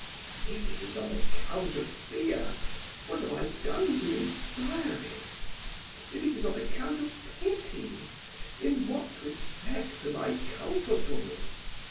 If it is on account of fear, what have I done to inspire it? If it is on account of pity, in what respect am I culpable?